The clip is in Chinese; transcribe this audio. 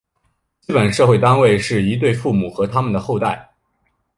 基本社会单元是一对父母和它们的后代。